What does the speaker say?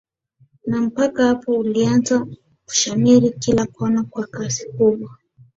Na mpaka hapo ulianza kushamiri kila kona na kwa kasi kubwa